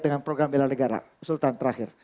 dengan program bela negara sultan terakhir